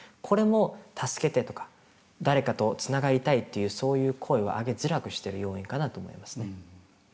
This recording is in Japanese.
これも助けてとか誰かとつながりたいっていうそういう声を上げづらくしてる要因かなと思いますね。